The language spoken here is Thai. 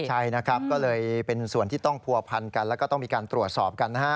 ใช่นะครับก็เลยเป็นส่วนที่ต้องผัวพันกันแล้วก็ต้องมีการตรวจสอบกันนะฮะ